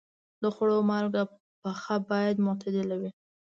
د خوړو مالګه پخه باید معتدله وي.